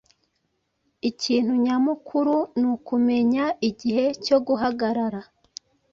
Ikintu nyamukuru nukumenya igihe cyo guhagarara.